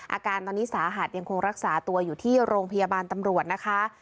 อาการตอนนี้สาหัสยังคงรักษาตัวอยู่ที่โรงพยาบาลตำรวจนะคะ